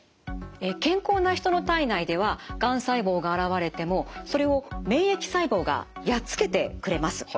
健康な人の体内ではがん細胞が現れてもそれを免疫細胞がやっつけてくれます。